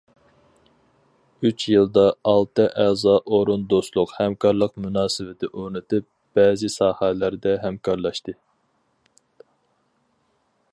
ئۈچ يىلدا ئالتە ئەزا ئورۇن دوستلۇق- ھەمكارلىق مۇناسىۋىتى ئورنىتىپ، بەزى ساھەلەردە ھەمكارلاشتى.